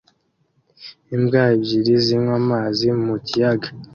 Imbwa ebyiri zinywa amazi mu kiyaga